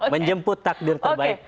menjemput takdir terbaik